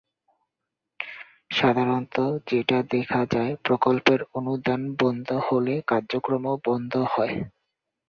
সাধারণত যেটা দেখা যায়, প্রকল্পের অনুদান বন্ধ হলে কার্যক্রমও বন্ধ হয়।